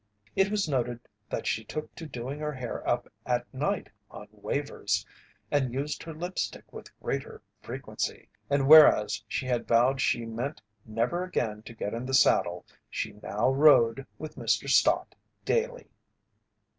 It was noted that she took to doing her hair up at night on "wavers" and used her lipstick with greater frequency, and whereas she had vowed she meant never again to get in the saddle she now rode with Mr. Stott daily.